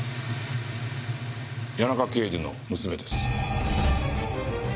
谷中刑事の娘です。